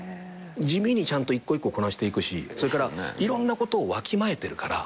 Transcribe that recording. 地味にちゃんと一個一個こなしていくしそれからいろんなことをわきまえてるから。